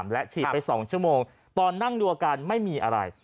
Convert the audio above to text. และฉีดไป๒ชั่วโมงตอนนั่งดูอาการไม่มีอะไร